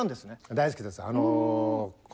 大好きです。